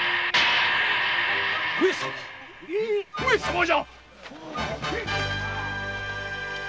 上様じゃ。